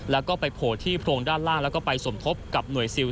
แล้วก็ไปโผล่ที่โพรงด้านล่างแล้วก็ไปสมทบกับหน่วยซิล